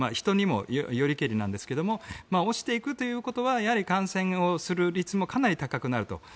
人にもよりけりなんですが落ちていくということはやはり感染をする率もかなり高くなると。